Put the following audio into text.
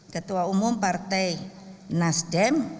ketua umum partai nasdem